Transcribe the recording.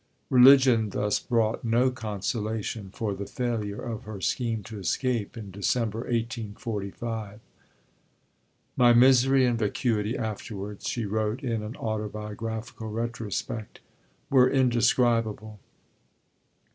Religion thus brought no consolation for the failure of her scheme to escape in December 1845. "My misery and vacuity afterwards," she wrote in an autobiographical retrospect, "were indescribable."